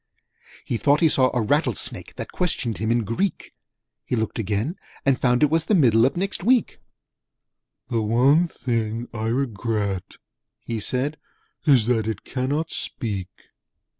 He thought he saw a Rattlesnake That questioned him in Greek: He looked again, and found it was The Middle of Next Week. 'The one thing I regret,' he said, 'Is that it cannot speak!'